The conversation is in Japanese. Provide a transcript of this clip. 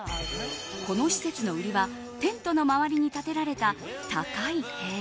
この施設の売りはテントの周りに立てられた高い塀。